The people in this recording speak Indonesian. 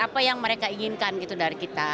apa yang mereka inginkan gitu dari kita